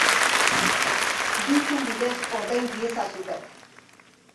Bizum bidez ordain diezazuket.